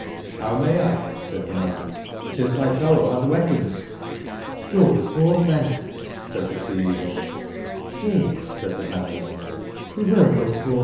''j^" How may X," said tbe man, "since tby fellow batb wea pons ?"j!^" Go we fortb, tben," said tbe Sea/eaglejj^ " Y^a," said tbe damsel, " we will go fortb.